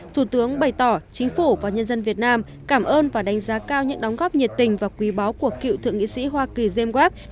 thủ tướng bày tỏ chính phủ và nhân dân việt nam cảm ơn và đánh giá cao những đóng góp nhiệt tình và quý báu của cựu thượng nghị sĩ hoa kỳ jame wav